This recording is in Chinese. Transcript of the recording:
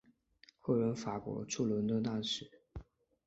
后任法国驻伦敦大使。